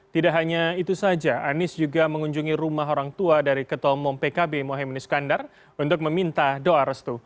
tidak hanya itu saja anies juga mengunjungi rumah orang tua dari ketomong pkb mohaimin iskandar untuk meminta doa restu